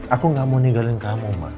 aku nggak mau ninggalin kamu mak